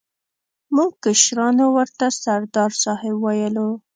موږ کشرانو ورته سردار صاحب ویلو.